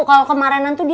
kalau kemarin dia diboongin